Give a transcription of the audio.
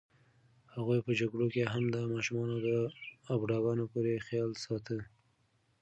هغوی په جګړو کې هم د ماشومانو او بوډاګانو پوره خیال ساته.